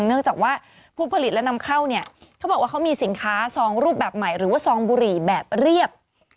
เนื่องจากว่าผู้ผลิตและนำเข้าเนี่ยเขาบอกว่าเขามีสินค้าซองรูปแบบใหม่หรือว่าซองบุหรี่แบบเรียบ